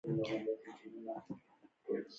د زابل په شمولزای کې د فلورایټ نښې شته.